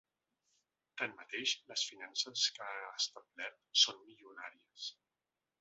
Tanmateix, les fiances que ha establert són milionàries.